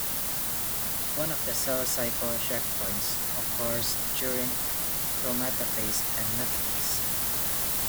One of the cell cycle checkpoints occurs during prometaphase and metaphase.